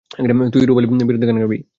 তুই ই রূপালির বিয়েতে গান গাইবি।